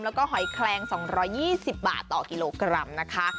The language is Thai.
แล้วก็หอยแคลง๒๒๐บาทต่อกิโลกรัมนะคะ